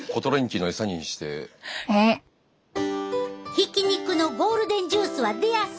ひき肉のゴールデンジュースは出やすい。